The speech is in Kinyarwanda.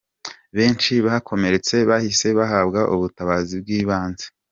Benshi bakomeretse bahise bahabwa ubutabazi bw'ibanze.